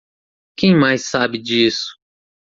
Quem mais sabe disso?